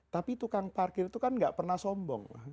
tapi tukang parkir itu kan gak pernah sombong